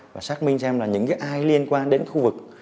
và xác minh xem là những cái ai liên quan đến khu vực